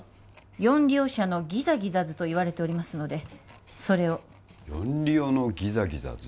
ヨンリオ社のギザギザズと言われておりますのでそれをヨンリオのギザギザズ？